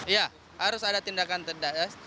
ya harus ada tindakan tegas